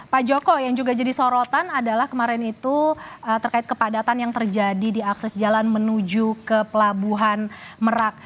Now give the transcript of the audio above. pak joko yang juga jadi sorotan adalah kemarin itu terkait kepadatan yang terjadi di akses jalan menuju ke pelabuhan merak